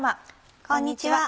こんにちは。